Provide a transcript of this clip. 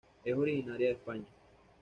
Es originaria de España.